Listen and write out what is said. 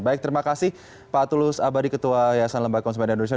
baik terima kasih pak tulus abadi ketua yayasan lembaga konsumen indonesia